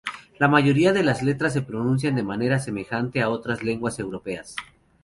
La mayoría de las letras se pronuncia de manera semejante a otras lenguas europeas.